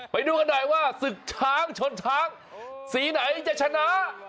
ไปดูกันหน่อยว่าศึกช้างชนช้างสีไหนจะชนะ